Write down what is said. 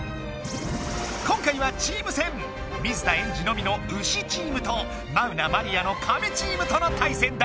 今回はチーム戦！水田エンジのみのウシチームとマウナ・マリアのカメチームとの対戦だ！